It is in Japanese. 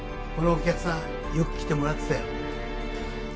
このお客さんよく来てもらってたよ